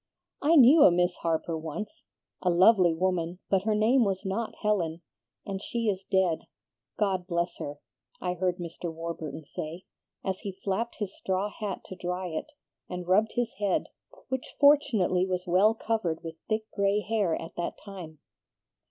"'I knew a Miss Harper once, a lovely woman, but her name was not Helen, and she is dead, God bless her!' I heard Mr. Warburton say, as he flapped his straw hat to dry it, and rubbed his head, which fortunately was well covered with thick gray hair at that time.